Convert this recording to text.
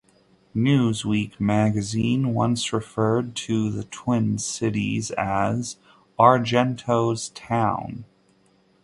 "Newsweek" magazine once referred to the Twin Cities as "Argento's town.